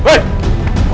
ibu cita tolong ya